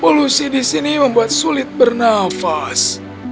polusi di sini membuat sulit bernafas